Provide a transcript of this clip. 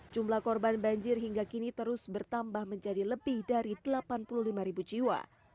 jumlah korban banjir hingga kini terus bertambah menjadi lebih dari delapan puluh lima ribu jiwa